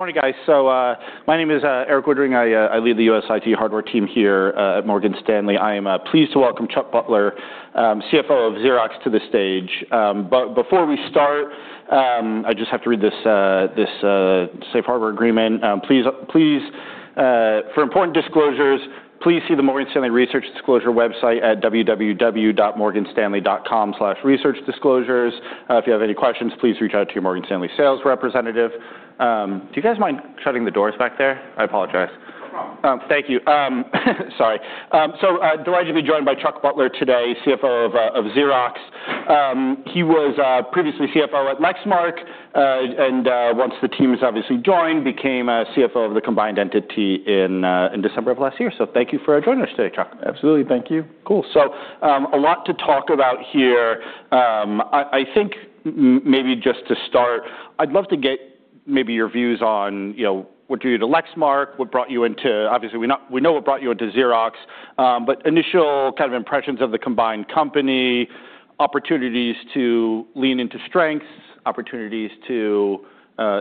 Morning, guys. My name is Erik Woodring. I lead the U.S. IT hardware team here at Morgan Stanley. I am pleased to welcome Chuck Butler, CFO of Xerox, to the stage. Before we start, I just have to read this safe harbor agreement. Please, for important disclosures, please see the Morgan Stanley Research Disclosure website at www.morganstanley.com/researchdisclosures. If you have any questions, please reach out to your Morgan Stanley sales representative. Do you guys mind shutting the doors back there? I apologize. No problem. Thank you. Sorry. Delighted to be joined by Chuck Butler today, CFO of Xerox. He was previously CFO at Lexmark, and once the teams obviously joined, became CFO of the combined entity in December of last year. Thank you for joining us today, Chuck. Absolutely. Thank you. Cool. A lot to talk about here. I think maybe just to start, I'd love to get maybe your views on, you know, what drew you to Lexmark? What brought you into... Obviously we know what brought you into Xerox, but initial kind of impressions of the combined company, opportunities to lean into strengths, opportunities to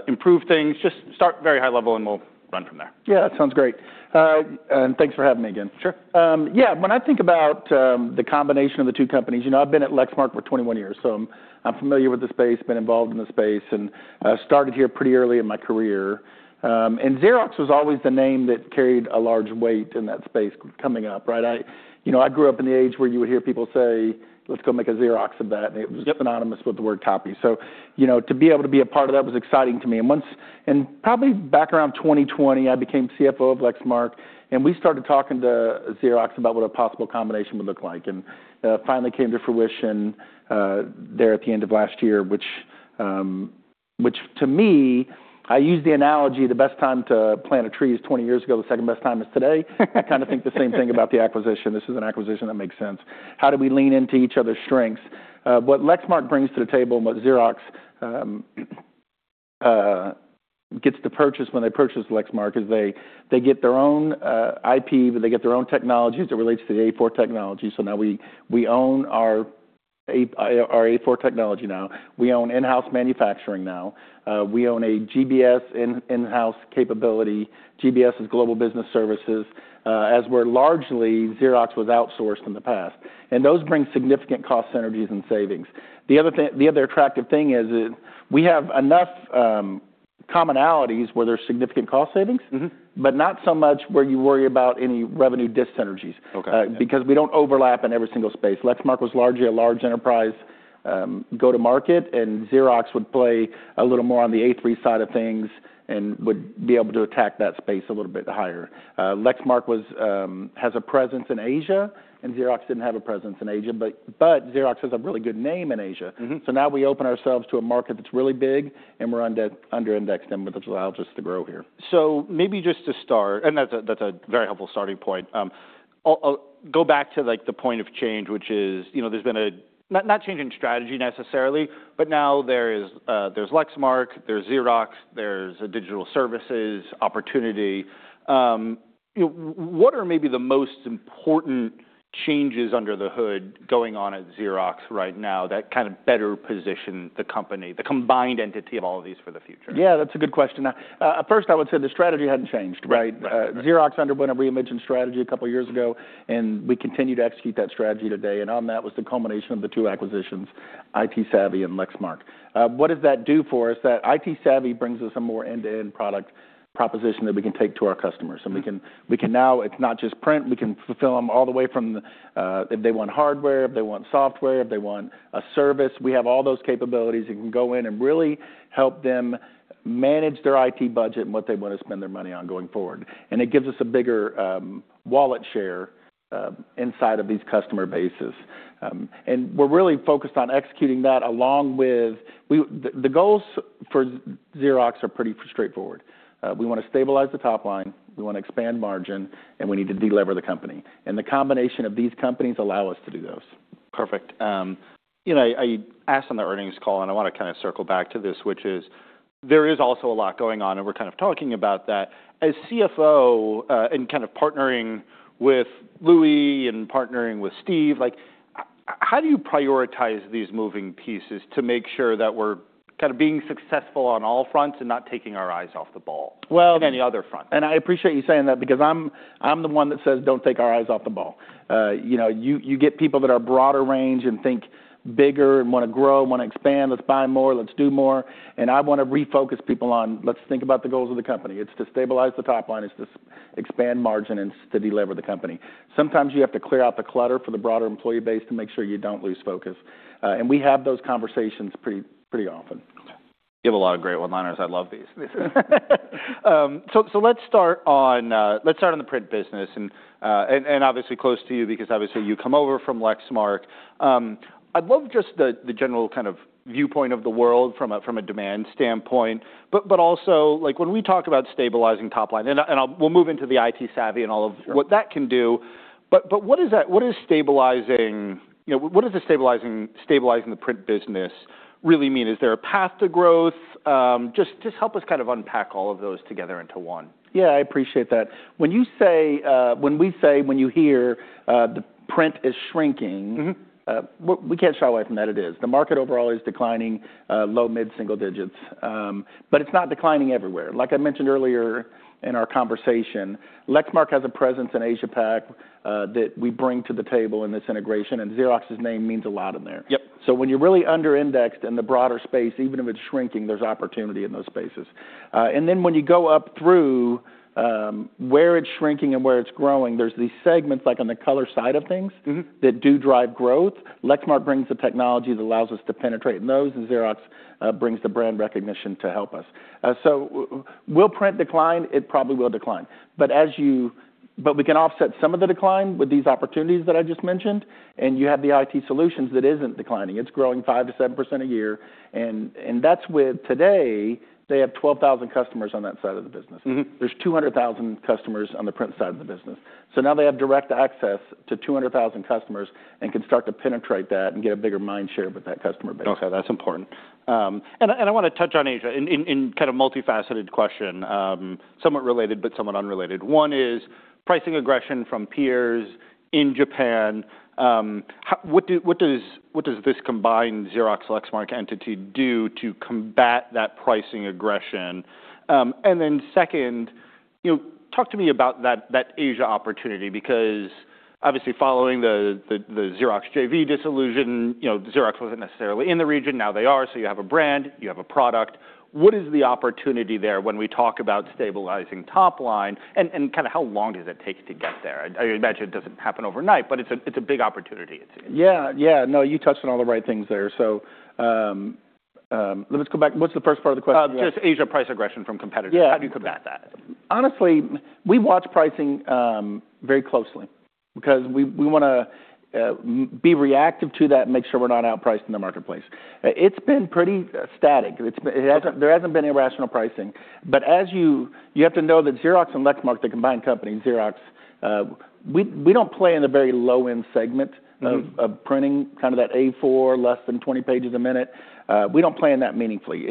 improve things. Just start very high level, and we'll run from there. Yeah, that sounds great. Thanks for having me again. Sure. Yeah. When I think about the combination of the two companies, you know, I've been at Lexmark for 21 years, so I'm familiar with the space, been involved in the space, and started here pretty early in my career. Xerox was always the name that carried a large weight in that space coming up, right? You know, I grew up in the age where you would hear people say, "Let's go make a Xerox of that," and it was... Yep... synonymous with the word copy. You know, to be able to be a part of that was exciting to me. Probably back around 2020, I became CFO of Lexmark. We started talking to Xerox about what a possible combination would look like. Finally came to fruition there at the end of last year, which to me, I use the analogy the best time to plant a tree is 20 years ago. The second-best time is today. I kind of think the same thing about the acquisition. This is an acquisition that makes sense. How do we lean into each other's strengths? What Lexmark brings to the table and what Xerox gets to purchase when they purchase Lexmark is they get their own IP, they get their own technology as it relates to the A4 technology. Now we own our A4 technology now. We own in-house manufacturing now. We own a GBS in-house capability. GBS is Global Business Services. As we're largely Xerox was outsourced in the past, and those bring significant cost synergies and savings. The other thing, the other attractive thing is we have enough commonalities where there's significant cost savings- Mm-hmm... but not so much where you worry about any revenue dyssynergies. Okay because we don't overlap in every single space. Lexmark was largely a large enterprise, go-to-market, and Xerox would play a little more on the A3 side of things and would be able to attack that space a little bit higher. Lexmark was, has a presence in Asia. Xerox didn't have a presence in Asia. Xerox has a really good name in Asia. Mm-hmm. Now we open ourselves to a market that's really big, and we're under-indexed and which allows us to grow here. Maybe just to start. That's a very helpful starting point. I'll go back to, like, the point of change, which is, you know, there's been a not change in strategy necessarily, but now there is, there's Lexmark, there's Xerox, there's a Digital Services opportunity. You know, what are maybe the most important changes under the hood going on at Xerox right now that kind of better position the company, the combined entity of all of these for the future? Yeah, that's a good question. At first I would say the strategy hadn't changed, right? Right. Right. Xerox underwent a reimagined strategy a couple years ago, and we continue to execute that strategy today. On that was the culmination of the two acquisitions, ITsavvy and Lexmark. What does that do for us? That ITsavvy brings us a more end-to-end product proposition that we can take to our customers. We can now... It's not just print. We can fulfill them all the way from the, if they want hardware, if they want software, if they want a service. We have all those capabilities and can go in and really help them manage their IT budget and what they wanna spend their money on going forward. It gives us a bigger wallet share inside of these customer bases. We're really focused on executing that along with... The goals for Xerox are pretty straightforward. We wanna stabilize the top line, we wanna expand margin, and we need to delever the company, and the combination of these companies allow us to do those. Perfect. You know, I asked on the earnings call, and I wanna kinda circle back to this, which is there is also a lot going on, and we're kind of talking about that. As CFO, and kind of partnering with Louis and partnering with Steve, like, how do you prioritize these moving pieces to make sure that we're kinda being successful on all fronts and not taking our eyes off the ball? Well-... on any other front? I appreciate you saying that because I'm the one that says, "Don't take our eyes off the ball." You know, you get people that are broader range and think bigger and wanna grow, wanna expand, let's buy more, let's do more, and I wanna refocus people on, let's think about the goals of the company. It's to stabilize the top line, it's to expand margin, and it's to delever the company. Sometimes you have to clear out the clutter for the broader employee base to make sure you don't lose focus, and we have those conversations pretty often. You have a lot of great one-liners. I love these. Let's start on the print business and obviously close to you because obviously you come over from Lexmark. Also, like, when we talk about stabilizing top line, and we'll move into the ITsavvy and all of what that can do. Sure. what is stabilizing, you know, what is the stabilizing the print business really mean? Is there a path to growth? just help us kind of unpack all of those together into one. Yeah, I appreciate that. When you say, when we say, when you hear, the print is shrinking- Mm-hmm ...we can't shy away from that it is. The market overall is declining, low mid-single digits. It's not declining everywhere. Like I mentioned earlier in our conversation, Lexmark has a presence in Asia Pac, that we bring to the table in this integration. Xerox's name means a lot in there. Yep. When you're really under-indexed in the broader space, even if it's shrinking, there's opportunity in those spaces. When you go up through, where it's shrinking and where it's growing, there's these segments, like on the color side of things... Mm-hmm ...that do drive growth. Lexmark brings the technology that allows us to penetrate in those. Xerox brings the brand recognition to help us. Will print decline? It probably will decline. We can offset some of the decline with these opportunities that I just mentioned. You have the IT Solutions that isn't declining. It's growing 5% to 7% a year. That's where today they have 12,000 customers on that side of the business. Mm-hmm. There's 200,000 customers on the print side of the business. Now they have direct access to 200,000 customers and can start to penetrate that and get a bigger mind share with that customer base. Okay. That's important. I wanna touch on Asia in kind of multifaceted question, somewhat related but somewhat unrelated. One is pricing aggression from peers in Japan. What does this combined Xerox Lexmark entity do to combat that pricing aggression? Then second, you know, talk to me about that Asia opportunity because obviously following the Xerox JV dissolution, you know, Xerox wasn't necessarily in the region, now they are, so you have a brand, you have a product. What is the opportunity there when we talk about stabilizing top line and kinda how long does it take to get there? I imagine it doesn't happen overnight, but it's a, it's a big opportunity it seems. Yeah. Yeah. No, you touched on all the right things there. Let's go back. What's the first part of the question? Just Asia price aggression from competitors. Yeah. How do you combat that? Honestly, we watch pricing very closely because we wanna be reactive to that and make sure we're not outpriced in the marketplace. It's been pretty static. Okay. There hasn't been irrational pricing. You have to know that Xerox and Lexmark, the combined company, Xerox, we don't play in the very low-end segment. Mm-hmm of printing, kind of that A4, less than 20 pages a minute. We don't play in that meaningfully.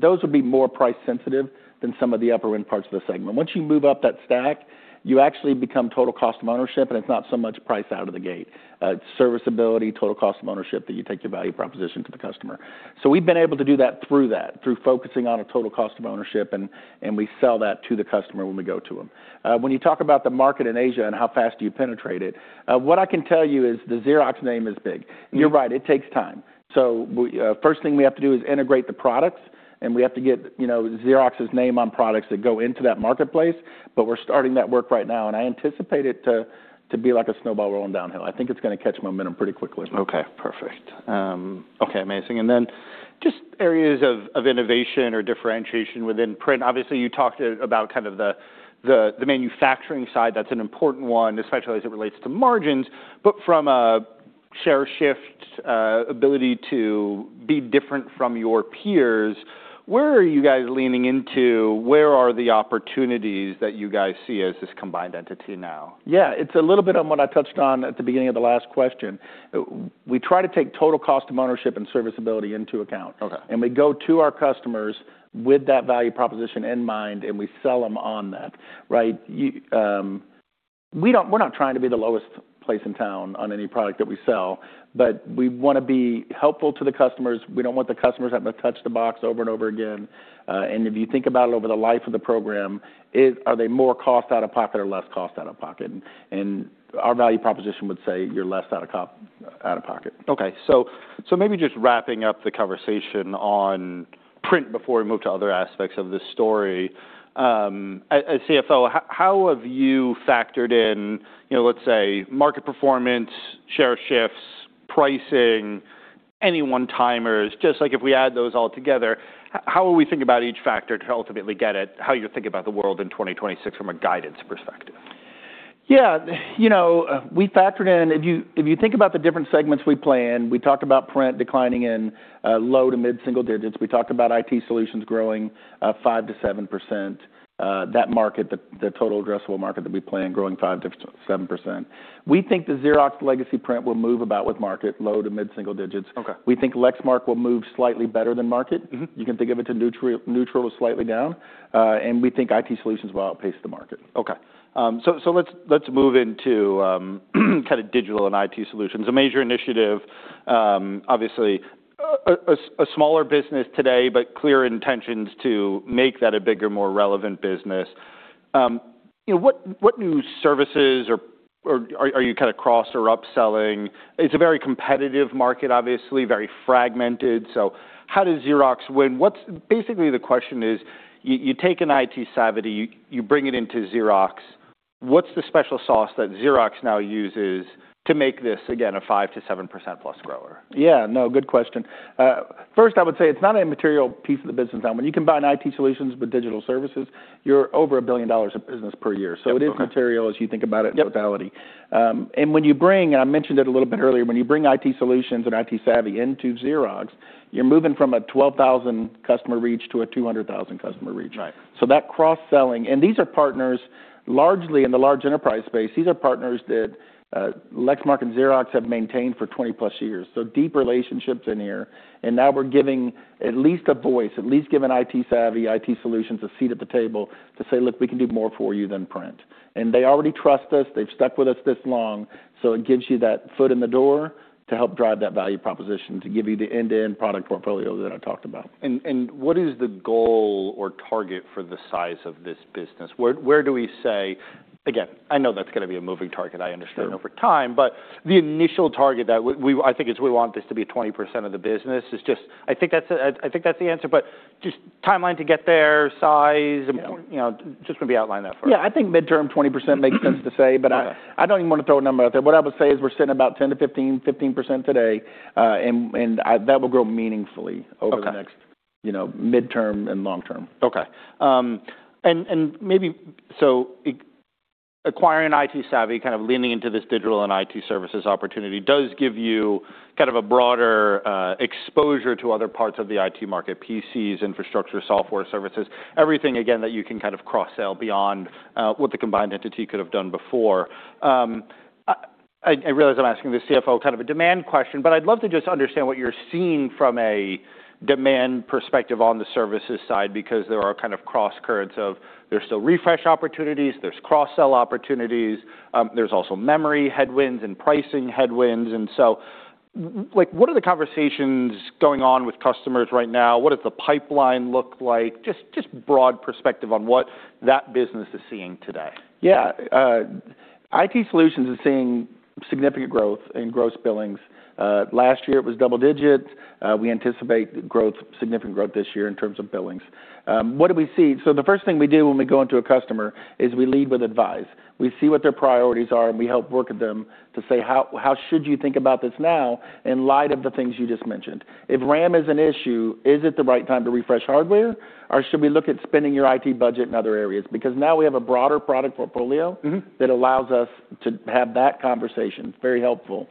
Those would be more price sensitive than some of the upper-end parts of the segment. Once you move up that stack, you actually become total cost of ownership, and it's not so much price out of the gate. It's serviceability, total cost of ownership that you take your value proposition to the customer. We've been able to do that through that, through focusing on a total cost of ownership, and we sell that to the customer when we go to them. When you talk about the market in Asia and how fast do you penetrate it, what I can tell you is the Xerox name is big. Mm-hmm. You're right, it takes time. First thing we have to do is integrate the products, and we have to get, you know, Xerox's name on products that go into that marketplace, but we're starting that work right now, and I anticipate it to be like a snowball rolling downhill. I think it's gonna catch momentum pretty quickly. Okay, perfect. Okay, amazing. Just areas of innovation or differentiation within print. Obviously, you talked about kind of the manufacturing side, that's an important one, especially as it relates to margins. From a share shift, ability to be different from your peers, where are you guys leaning into? Where are the opportunities that you guys see as this combined entity now? Yeah. It's a little bit on what I touched on at the beginning of the last question. We try to take total cost of ownership and serviceability into account. Okay. We go to our customers with that value proposition in mind, and we sell them on that, right? You, We're not trying to be the lowest place in town on any product that we sell, but we wanna be helpful to the customers. We don't want the customers having to touch the box over and over again. If you think about it over the life of the program, are they more cost out of pocket or less cost out of pocket? Our value proposition would say you're less out of pocket. Okay. Maybe just wrapping up the conversation on print before we move to other aspects of this story. As CFO, how have you factored in, you know, let's say, market performance, share shifts, pricing, any one-timers? Just like if we add those all together, how will we think about each factor to ultimately get at how you think about the world in 2026 from a guidance perspective? You know, if you think about the different segments we play in, we talked about print declining in low to mid-single digits. We talked about IT solutions growing 5%-7%. That market, the total addressable market that we play in growing 5%-7%. We think the Xerox legacy print will move about with market, low to mid-single digits. Okay. We think Lexmark will move slightly better than market. Mm-hmm. You can think of it to neutral to slightly down. We think IT solutions will outpace the market. Okay. So let's move into kind of digital and IT solutions. A major initiative, obviously a smaller business today, but clear intentions to make that a bigger, more relevant business. You know, what new services or are you kind of cross or upselling? It's a very competitive market, obviously, very fragmented. How does Xerox win? What's. Basically, the question is, you take an ITsavvy, you bring it into Xerox. What's the special sauce that Xerox now uses to make this again a 5%-7%+ grower? Yeah. Good question. First, I would say it's not a material piece of the business. When you combine IT Solutions with Digital Services, you're over $1 billion of business per year. Okay. It is material as you think about it. Yep -in totality. When you bring, and I mentioned it a little bit earlier, when you bring IT Solutions and ITsavvy into Xerox, you're moving from a 12,000 customer reach to a 200,000 customer reach. Right. That cross-selling. These are partners largely in the large enterprise space. These are partners that Lexmark and Xerox have maintained for 20-plus years. Deep relationships in here. Now we're giving at least a voice, at least giving ITsavvy, IT Solutions, a seat at the table to say, "Look, we can do more for you than print." They already trust us. They've stuck with us this long. It gives you that foot in the door to help drive that value proposition, to give you the end-to-end product portfolio that I talked about. What is the goal or target for the size of this business? Where do we say...? Again, I know that's gonna be a moving target, I understand. Sure over time. The initial target that we, I think it's we want this to be 20% of the business. It's just. I think that's the answer. Just timeline to get there, size. Yeah. Important. You know, just maybe outline that for us. Yeah. I think midterm, 20% makes sense to say. Okay. I don't even wanna throw a number out there. What I would say is we're sitting about 10%-15% today, and that will grow meaningfully- Okay over the next, you know, midterm and long term. Maybe acquiring ITsavvy, kind of leaning into this Digital Services and IT services opportunity does give you kind of a broader exposure to other parts of the IT market, PCs, infrastructure, software services, everything again that you can kind of cross-sell beyond what the combined entity could have done before. I realize I'm asking the CFO kind of a demand question, but I'd love to just understand what you're seeing from a demand perspective on the services side, because there are kind of crosscurrents of there's still refresh opportunities, there's cross-sell opportunities, there's also memory headwinds and pricing headwinds. Like, what are the conversations going on with customers right now? What does the pipeline look like? Just broad perspective on what that business is seeing today. IT solutions is seeing significant growth in gross billings. Last year it was double digits. We anticipate growth, significant growth this year in terms of billings. What do we see? The first thing we do when we go into a customer is we lead with advice. We see what their priorities are, and we help work with them to say, "How, how should you think about this now in light of the things you just mentioned?" If RAM is an issue, is it the right time to refresh hardware, or should we look at spending your IT budget in other areas? Because now we have a broader product portfolio- Mm-hmm that allows us to have that conversation. It's very helpful.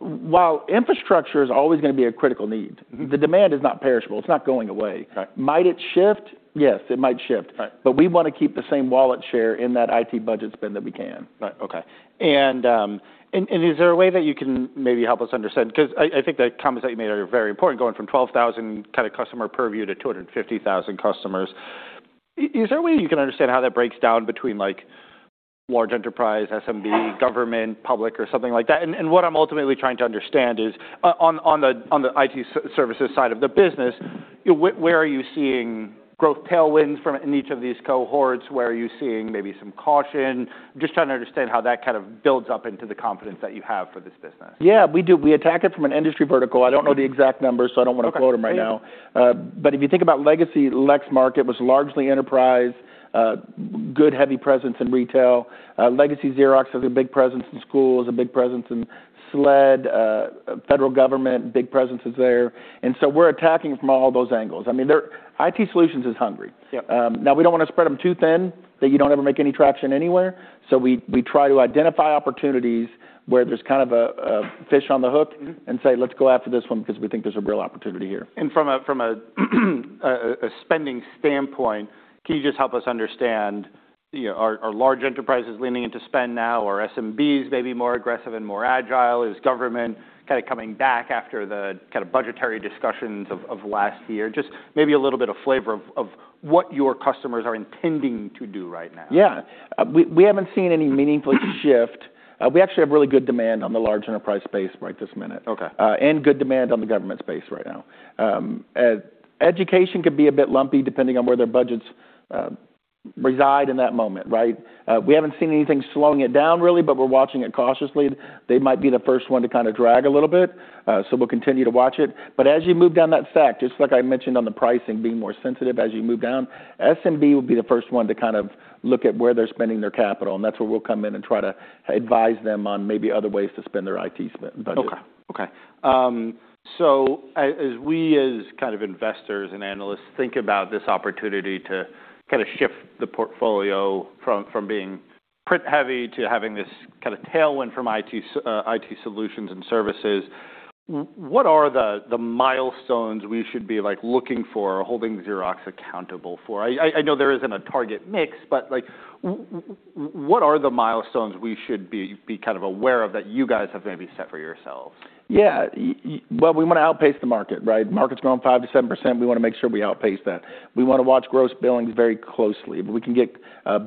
while infrastructure is always gonna be a critical need. Mm-hmm The demand is not perishable. It's not going away. Right. Might it shift? Yes, it might shift. Right. We wanna keep the same wallet share in that IT budget spend that we can. Right. Okay. Is there a way that you can maybe help us understand? 'Cause I think the comments that you made are very important, going from 12,000 kind of customer purview to 250,000 customers. Is there a way you can understand how that breaks down between, like, large enterprise, SMB, government, public or something like that? What I'm ultimately trying to understand is on the IT services side of the business, you know, where are you seeing growth tailwinds from in each of these cohorts? Where are you seeing maybe some caution? I'm just trying to understand how that kind of builds up into the confidence that you have for this business. Yeah. We do. We attack it from an industry vertical. Okay. I don't know the exact numbers, so I don't wanna quote them right now. Okay. Great. If you think about legacy Lexmark, it was largely enterprise, good, heavy presence in retail. Legacy Xerox has a big presence in schools, a big presence in SLED, federal government, big presences there. We're attacking from all those angles. I mean, IT Solutions is hungry. Yep. Now we don't wanna spread them too thin that you don't ever make any traction anywhere, we try to identify opportunities where there's kind of a fish on the hook. Mm-hmm Say, "Let's go after this one because we think there's a real opportunity here. From a spending standpoint, can you just help us understand, you know, are large enterprises leaning into spend now, or SMBs may be more aggressive and more agile? Is government kind of coming back after the kind of budgetary discussions of last year? Just maybe a little bit of flavor of what your customers are intending to do right now. Yeah. We haven't seen any meaningful shift. We actually have really good demand on the large enterprise space right this minute. Okay. Good demand on the government space right now. Education can be a bit lumpy depending on where their budgets reside in that moment, right? We haven't seen anything slowing it down really, but we're watching it cautiously. They might be the first one to kind of drag a little bit, so we'll continue to watch it. As you move down that stack, just like I mentioned on the pricing being more sensitive as you move down, SMB will be the first one to kind of look at where they're spending their capital, and that's where we'll come in and try to advise them on maybe other ways to spend their IT budget. Okay. Okay. As we as kind of investors and analysts think about this opportunity to kind of shift the portfolio from being print-heavy to having this kind of tailwind from IT solutions and services, what are the milestones we should be, like, looking for or holding Xerox accountable for? I know there isn't a target mix, but, like, what are the milestones we should be kind of aware of that you guys have maybe set for yourselves? Well, we wanna outpace the market, right? Market's growing 5%-7%. We wanna make sure we outpace that. We wanna watch gross billings very closely. If we can get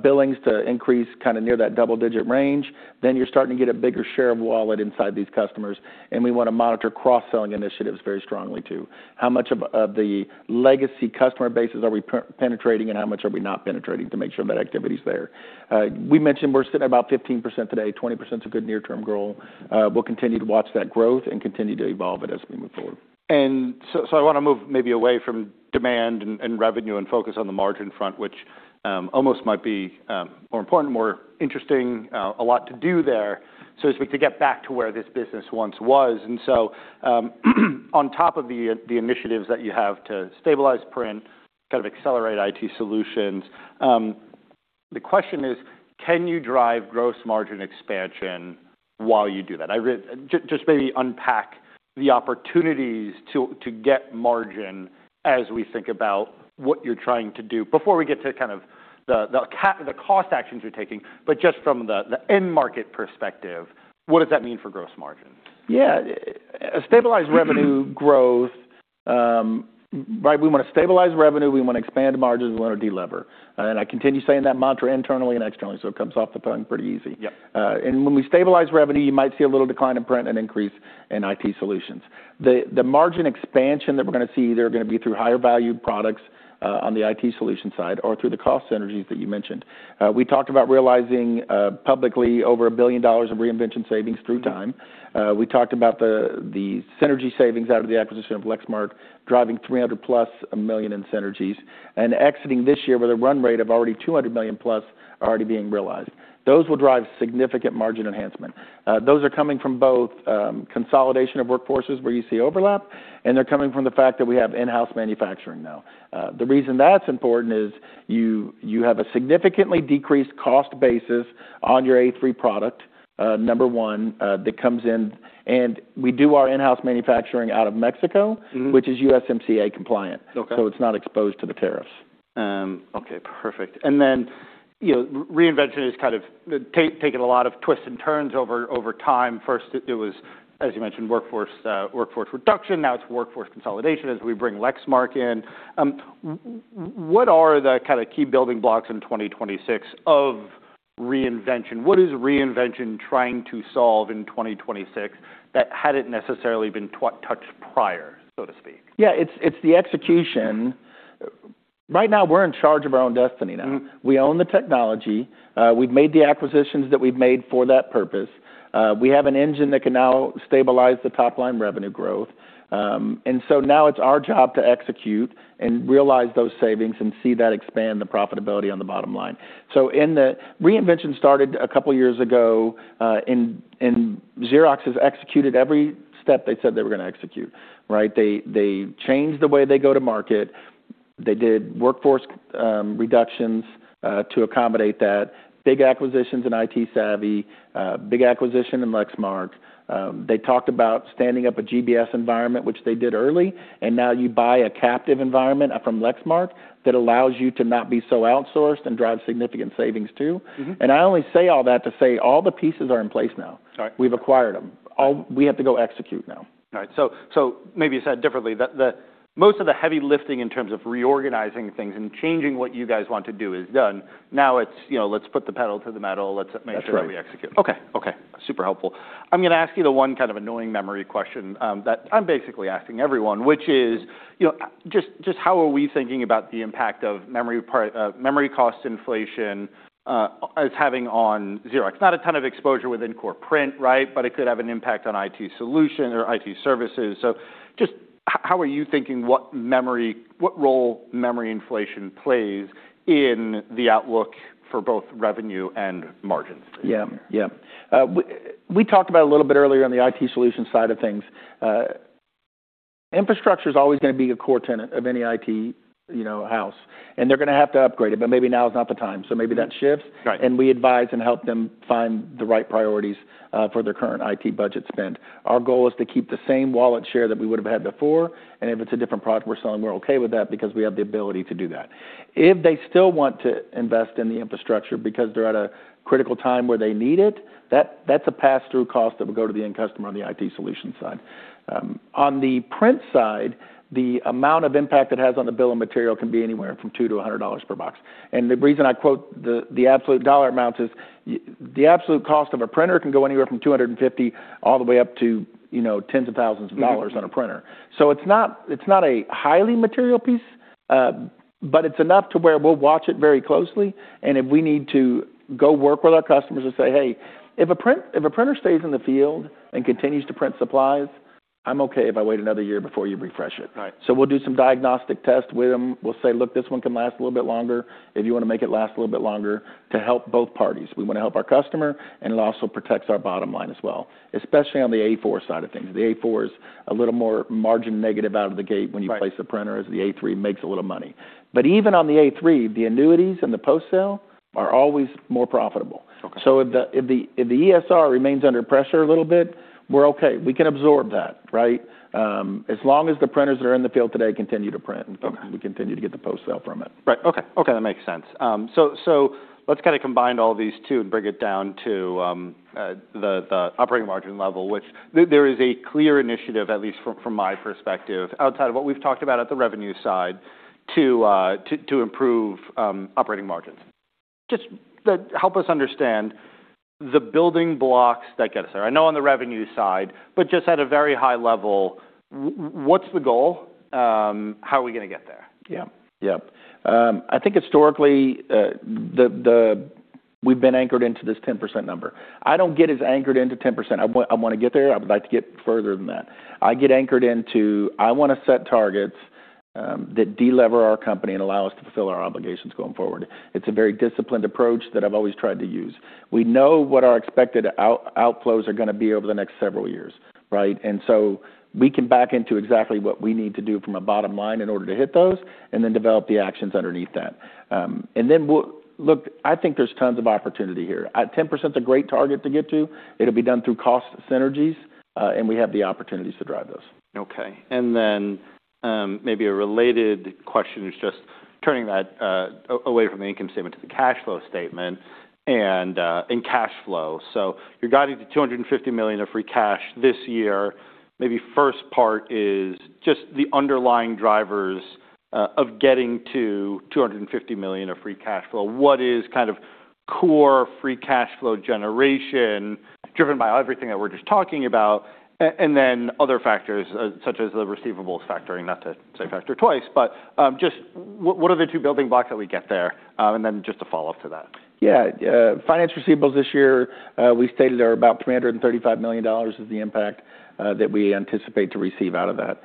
billings to increase kind of near that double-digit range, then you're starting to get a bigger share of wallet inside these customers, and we wanna monitor cross-selling initiatives very strongly, too. How much of the legacy customer bases are we penetrating, and how much are we not penetrating to make sure that activity is there? We mentioned we're sitting about 15% today. 20%'s a good near-term goal. We'll continue to watch that growth and continue to evolve it as we move forward. I wanna move maybe away from demand and revenue and focus on the margin front, which almost might be more important, more interesting, a lot to do there so as we can get back to where this business once was. On top of the initiatives that you have to stabilize print, kind of accelerate IT Solutions, the question is, can you drive gross margin expansion while you do that? Just maybe unpack the opportunities to get margin as we think about what you're trying to do before we get to the cost actions you're taking, but just from the end market perspective, what does that mean for gross margin? Yeah. A stabilized revenue growth, right? We wanna stabilize revenue, we wanna expand margins, we wanna delever. I continue saying that mantra internally and externally, so it comes off the tongue pretty easy. Yep. When we stabilize revenue, you might see a little decline in print and increase in IT Solutions. The margin expansion that we're gonna see, they're gonna be through higher value products on the IT Solutions side or through the cost synergies that you mentioned. We talked about realizing publicly over $1 billion of reinvention savings through time. We talked about the synergy savings out of the acquisition of Lexmark driving $300+ million in synergies and exiting this year with a run rate of already $200 million+ already being realized. Those will drive significant margin enhancement. Those are coming from both consolidation of workforces where you see overlap, and they're coming from the fact that we have in-house manufacturing now. The reason that's important is you have a significantly decreased cost basis on your A3 product, number one, that comes in. We do our in-house manufacturing out of Mexico. Mm-hmm. which is USMCA compliant. Okay. It's not exposed to the tariffs. Okay. Perfect. You know, reinvention has kind of taken a lot of twists and turns over time. First it was, as you mentioned, workforce reduction, now it's workforce consolidation as we bring Lexmark in. What are the kinda key building blocks in 2026 of reinvention? What is reinvention trying to solve in 2026 that hadn't necessarily been touched prior, so to speak? Yeah. It's the execution. Right now, we're in charge of our own destiny now. Mm-hmm. We own the technology. We've made the acquisitions that we've made for that purpose. We have an engine that can now stabilize the top-line revenue growth. Now it's our job to execute and realize those savings and see that expand the profitability on the bottom line. Reinvention started a couple years ago, Xerox has executed every step they said they were gonna execute, right? They changed the way they go to market. They did workforce reductions to accommodate that. Big acquisitions in ITsavvy, big acquisition in Lexmark. They talked about standing up a GBS environment, which they did early, and now you buy a captive environment from Lexmark that allows you to not be so outsourced and drive significant savings too. Mm-hmm. I only say all that to say all the pieces are in place now. Got it. We've acquired them. We have to go execute now. All right. Maybe said differently, Most of the heavy lifting in terms of reorganizing things and changing what you guys want to do is done. Now it's, you know, let's put the pedal to the metal. Let's make sure. That's right. -we execute. Okay. Okay. Super helpful. I'm gonna ask you the one kind of annoying memory question, that I'm basically asking everyone, which is, you know, just how are we thinking about the impact of memory cost inflation, as having on Xerox? Not a ton of exposure within core print, right? It could have an impact on IT solution or IT services. Just how are you thinking what role memory inflation plays in the outlook for both revenue and margins? Yeah. Yeah. We talked about a little bit earlier on the IT solution side of things. Infrastructure's always gonna be a core tenant of any IT, you know, house, and they're gonna have to upgrade it, but maybe now is not the time, so maybe that shifts. Got it. We advise and help them find the right priorities for their current IT budget spend. Our goal is to keep the same wallet share that we would've had before, and if it's a different product we're selling, we're okay with that because we have the ability to do that. If they still want to invest in the infrastructure because they're at a critical time where they need it, that's a pass-through cost that would go to the end customer on the IT solution side. On the print side, the amount of impact it has on the bill of material can be anywhere from $2-$100 per box. The reason I quote the absolute dollar amounts is the absolute cost of a printer can go anywhere from $250 all the way up to, you know, tens of thousands of dollars. Mm-hmm. -on a printer. It's not a highly material piece, but it's enough to where we'll watch it very closely, and if we need to go work with our customers and say, "Hey, if a printer stays in the field and continues to print supplies, I'm okay if I wait another year before you refresh it. Right. We'll do some diagnostic tests with them. We'll say, "Look, this one can last a little bit longer if you wanna make it last a little bit longer," to help both parties. We wanna help our customer, and it also protects our bottom line as well, especially on the A4 side of things. The A4 is a little more margin negative out of the gate when. Right. place the printer as the A3 makes a little money. Even on the A3, the annuities and the post-sale are always more profitable. Okay. If the ESR remains under pressure a little bit, we're okay. We can absorb that, right? As long as the printers that are in the field today continue to print. Okay. We continue to get the post-sale from it. Right. Okay. Okay, that makes sense. Let's kinda combine all these two and bring it down to the operating margin level, which there is a clear initiative, at least from my perspective, outside of what we've talked about at the revenue side to improve operating margins. Just the... Help us understand the building blocks that get us there. I know on the revenue side, but just at a very high level, what's the goal? How are we gonna get there? Yeah. Yeah. I think historically, the... We've been anchored into this 10% number. I don't get as anchored into 10%. I want, I wanna get there. I would like to get further than that. I get anchored into I wanna set targets that de-lever our company and allow us to fulfill our obligations going forward. It's a very disciplined approach that I've always tried to use. We know what our expected outflows are gonna be over the next several years, right? So we can back into exactly what we need to do from a bottom line in order to hit those and then develop the actions underneath that. Then we'll... Look, I think there's tons of opportunity here. 10%'s a great target to get to. It'll be done through cost synergies, and we have the opportunities to drive those. Okay. Then, maybe a related question is just turning that away from the income statement to the cash flow statement and in cash flow. You're guiding to $250 million of free cash this year. Maybe first part is just the underlying drivers of getting to $250 million of free cash flow. What is kind of core free cash flow generation driven by everything that we're just talking about, and then other factors, such as the receivables factoring, not to say factor twice, but what are the two building blocks that we get there, and then just a follow-up to that. Yeah. finance receivables this year, we stated are about $335 million is the impact, that we anticipate to receive out of that.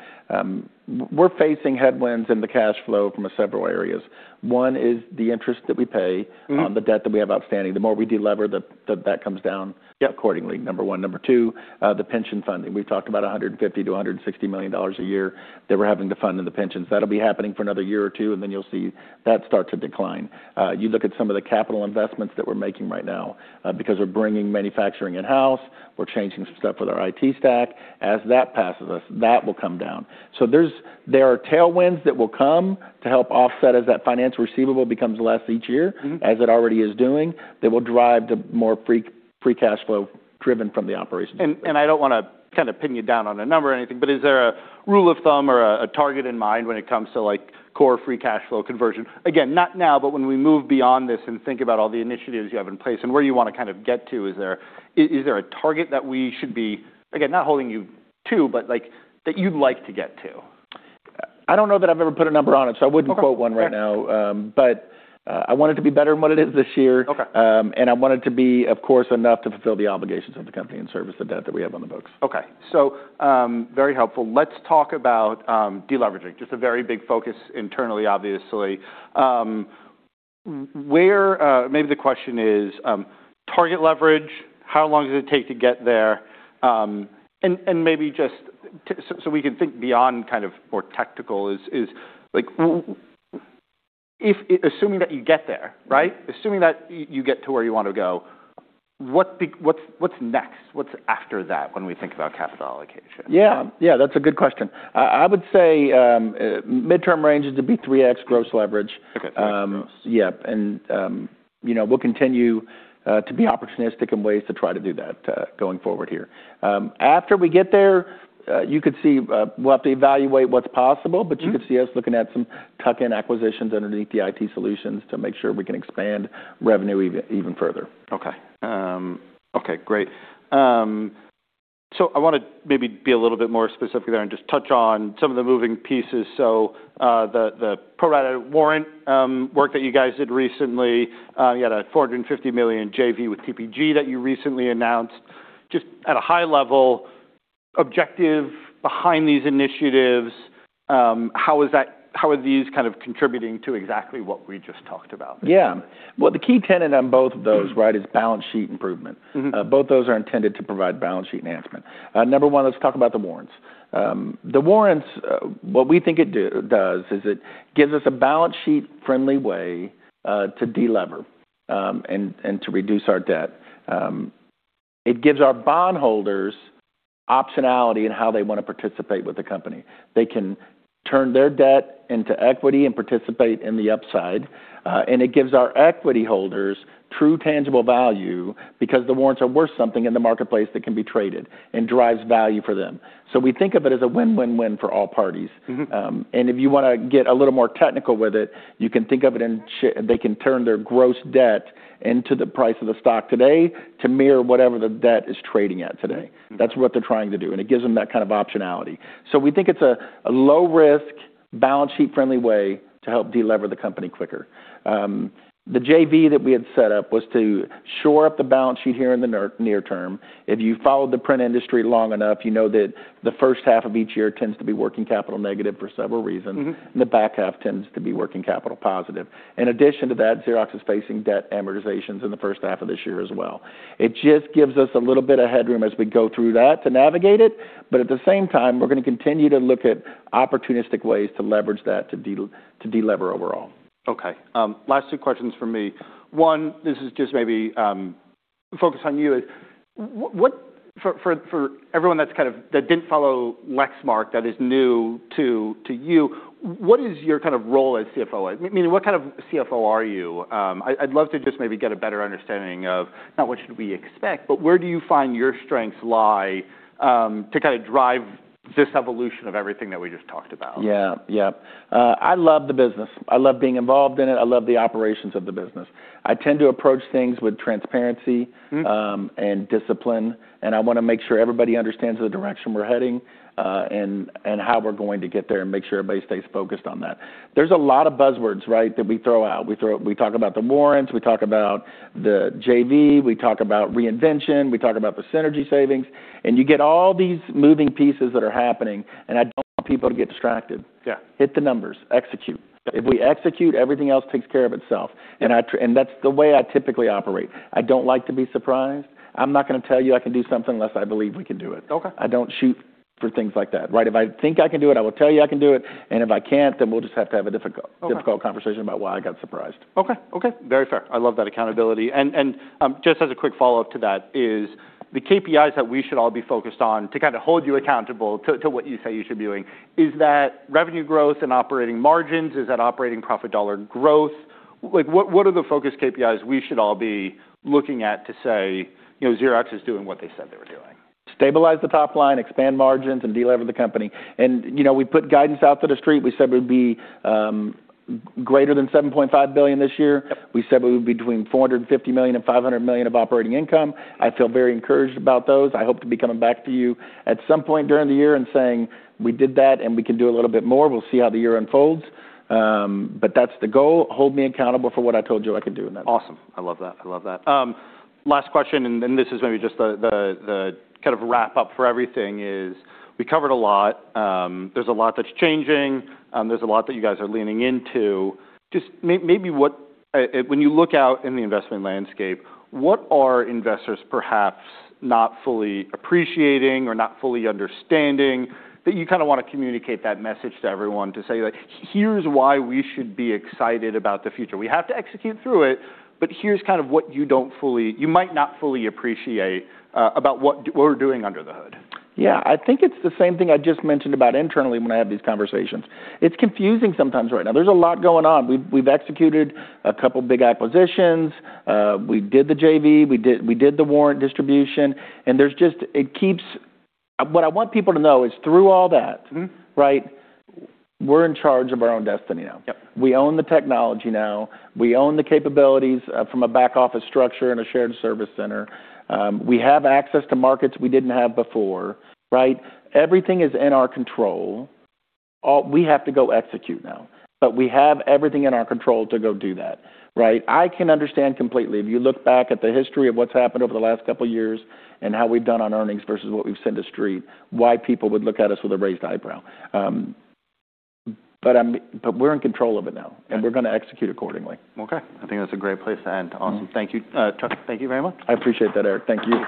We're facing headwinds in the cash flow from several areas. One is the interest that we pay. Mm-hmm. on the debt that we have outstanding. The more we de-lever the debt comes down. Yep. accordingly, number one. Number two, the pension funding. We've talked about $150 million-$160 million a year that we're having to fund in the pensions. That'll be happening for another year or two, and then you'll see that start to decline. You look at some of the capital investments that we're making right now, because we're bringing manufacturing in-house. We're changing some stuff with our IT stack. As that passes us, that will come down. There are tailwinds that will come to help offset as that finance receivable becomes less each year. Mm-hmm. as it already is doing, that will drive to more free cash flow driven from the operations. I don't wanna kinda pin you down on a number or anything, but is there a rule of thumb or a target in mind when it comes to, like, core free cash flow conversion? Again, not now, but when we move beyond this and think about all the initiatives you have in place and where you wanna kind of get to, is there a target that we should be, again, not holding you to, but, like, that you'd like to get to? I don't know that I've ever put a number on it, so I wouldn't- Okay. Fair. -quote 1 right now. I want it to be better than what it is this year. Okay. I want it to be, of course, enough to fulfill the obligations of the company and service the debt that we have on the books. Okay. Very helpful. Let's talk about de-leveraging. Just a very big focus internally, obviously. Maybe the question is, target leverage, how long does it take to get there? And maybe just so we can think beyond kind of more tactical is, like, if. Assuming that you get there, right? Mm-hmm. Assuming that you get to where you want to go, what's next? What's after that when we think about capital allocation? Yeah. Yeah, that's a good question. I would say, midterm range is to be 3x gross leverage. Okay. 3x gross. Yep. You know, we'll continue to be opportunistic in ways to try to do that, going forward here. After we get there, you could see, we'll have to evaluate what's possible. Mm-hmm. You could see us looking at some tuck-in acquisitions underneath the IT solutions to make sure we can expand revenue even further. Okay. Okay, great. I wanna maybe be a little bit more specific there and just touch on some of the moving pieces. The pro rata warrant work that you guys did recently, you had a $450 million JV with PPG that you recently announced. Just at a high level objective behind these initiatives, how are these kind of contributing to exactly what we just talked about? Yeah. Well, the key tenet on both of those, right, is balance sheet improvement. Mm-hmm. Both those are intended to provide balance sheet enhancement. Number one, let's talk about the warrants. The warrants, what we think it does is it gives us a balance sheet-friendly way to de-lever, and to reduce our debt. It gives our bondholders optionality in how they wanna participate with the company. They can turn their debt into equity and participate in the upside, and it gives our equity holders true tangible value because the warrants are worth something in the marketplace that can be traded and drives value for them. We think of it as a win-win-win for all parties. Mm-hmm. If you wanna get a little more technical with it, you can think of it. They can turn their gross debt into the price of the stock today to mirror whatever the debt is trading at today. Mm-hmm. That's what they're trying to do, and it gives them that kind of optionality. We think it's a low risk, balance sheet-friendly way to help de-lever the company quicker. The JV that we had set up was to shore up the balance sheet here in the near term. If you followed the print industry long enough, you know that the first half of each year tends to be working capital negative for several reasons. Mm-hmm. The back half tends to be working capital positive. In addition to that, Xerox is facing debt amortizations in the first half of this year as well. It just gives us a little bit of headroom as we go through that to navigate it. At the same time, we're gonna continue to look at opportunistic ways to leverage that to de-lever overall. Okay. Last two questions from me. One, this is just maybe focused on you. What, for everyone that didn't follow Lexmark that is new to you, what is your kind of role as CFO? I mean, what kind of CFO are you? I'd love to just maybe get a better understanding of not what should we expect, but where do you find your strengths lie, to kind of drive this evolution of everything that we just talked about? Yeah. Yep. I love the business. I love being involved in it. I love the operations of the business. I tend to approach things with transparency- Mm-hmm. Discipline, and I wanna make sure everybody understands the direction we're heading, and how we're going to get there and make sure everybody stays focused on that. There's a lot of buzzwords, right, that we throw out. We talk about the warrants, we talk about the JV, we talk about reinvention, we talk about the synergy savings, and you get all these moving pieces that are happening, and I don't want people to get distracted. Yeah. Hit the numbers. Execute. Yeah. If we execute, everything else takes care of itself. That's the way I typically operate. I don't like to be surprised. I'm not gonna tell you I can do something unless I believe we can do it. Okay. I don't shoot-For things like that, right? If I think I can do it, I will tell you I can do it, If I can't, then we'll just have to have a difficult-. Okay ...difficult conversation about why I got surprised. Okay. Okay. Very fair. I love that accountability. Just as a quick follow-up to that is the KPIs that we should all be focused on to kind of hold you accountable to what you say you should be doing, is that revenue growth and operating margins, is that operating profit dollar growth? Like, what are the focus KPIs we should all be looking at to say, you know, Xerox is doing what they said they were doing? Stabilize the top line, expand margins, and delever the company. You know, we put guidance out to the street. We said we'd be greater than $7.5 billion this year. Yep. We said we would be between $450 million and $500 million of operating income. I feel very encouraged about those. I hope to be coming back to you at some point during the year and saying, "We did that, and we can do a little bit more. We'll see how the year unfolds." That's the goal. Hold me accountable for what I told you I could do. Awesome. I love that. I love that. Last question, and this is maybe just the kind of wrap-up for everything is we covered a lot. There's a lot that's changing. There's a lot that you guys are leaning into. Just maybe what, when you look out in the investment landscape, what are investors perhaps not fully appreciating or not fully understanding that you kinda wanna communicate that message to everyone to say, like, "Here's why we should be excited about the future. We have to execute through it, but here's kind of what you might not fully appreciate about what we're doing under the hood. Yeah. I think it's the same thing I just mentioned about internally when I have these conversations. It's confusing sometimes right now. There's a lot going on. We've executed a couple big acquisitions. We did the JV. We did the warrant distribution, there's just... It keeps... What I want people to know is through all that- Mm-hmm right, we're in charge of our own destiny now. Yep. We own the technology now. We own the capabilities, from a back office structure and a shared service center. We have access to markets we didn't have before, right? Everything is in our control. We have to go execute now, but we have everything in our control to go do that, right? I can understand completely if you look back at the history of what's happened over the last couple years and how we've done on earnings versus what we've said to Street, why people would look at us with a raised eyebrow. We're in control of it now. Yep. We're gonna execute accordingly. Okay. I think that's a great place to end. Awesome. Thank you. Chuck, thank you very much. I appreciate that, Erik. Thank you.